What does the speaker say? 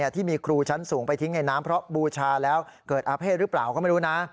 ที่มีครูชั้นสูงไปทิ้งในน้ำเพราะบูชาแล้วเกิดอาเภษหรือเปล่าก็ไม่รู้นะ